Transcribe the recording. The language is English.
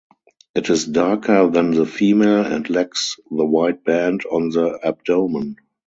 It is darker than the female and lacks the white band on the abdomen.